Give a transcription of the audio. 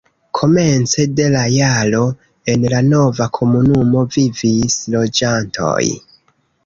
Komence de la jaro en la nova komunumo vivis loĝantoj.